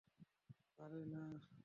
আরেহ, না!